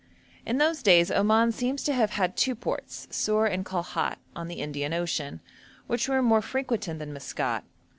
In those days Oman seems to have had two ports, Sur and Kalhat, on the Indian Ocean, which were more frequented than Maskat.